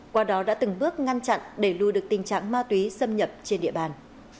qua đó đã từng bước ngăn chặn đẩy lùi được tình trạng ma túy xâm nhập trên địa bàn